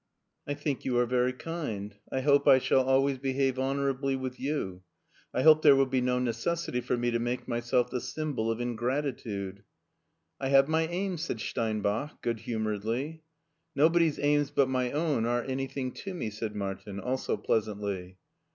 I think you are very kind. I hope I shall always behave hon orably with you. I hope there will be no necessity for me to make myself the symbol of ingratitude." " I have my aims/* said Steinbach, good humoredly. " Nobody's aims but my own are anjrthing to me," said Martin, also pleasantly.